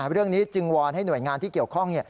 เรื่องนี้จึงวอนให้หน่วยงานที่เกี่ยวข้อง